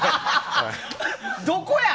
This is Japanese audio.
どこや！